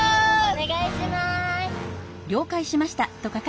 お願いします。